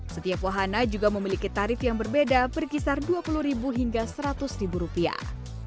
setiap wahana juga memiliki tarif yang berbeda berkisar dua puluh hingga seratus rupiah